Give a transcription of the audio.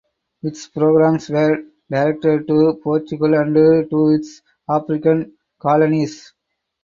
Its programmes were directed to Portugal and to its African colonies.